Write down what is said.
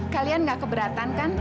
kalian gak keberatan kan